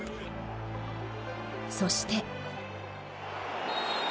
そして。